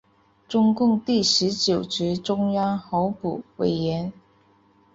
中共第十九届中央候补委员。